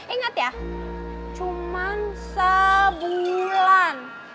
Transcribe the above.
ingat ya cuman sebulan